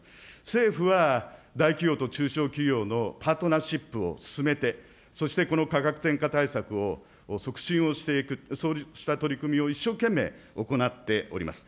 政府は大企業と中小企業のパートナーシップを進めて、そしてこの価格転嫁対策を促進をしていく、そうした取り組みを一生懸命行っております。